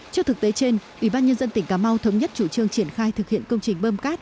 trước thực tế trên ủy ban nhân dân tỉnh cà mau thống nhất chủ trương triển khai thực hiện công trình bơm cát